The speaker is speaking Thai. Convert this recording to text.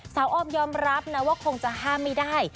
ออมยอมรับนะว่าคงจะห้ามไม่ได้